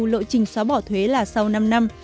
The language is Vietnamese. lộ trình xóa bỏ thuế là sau năm năm